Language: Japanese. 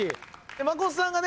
真琴さんがね